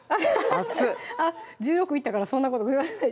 熱いあっ１６いったからそんなことにごめんなさい